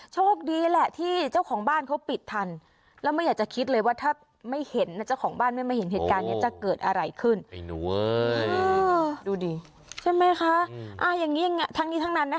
โชคดีแหละที่เจ้าของบ้านเขาปิดทันแล้วไม่อยากจะคิดเลยว่าถ้าไม่เห็นนะเจ้าของบ้านไม่มาเห็นเหตุการณ์เนี้ยจะเกิดอะไรขึ้น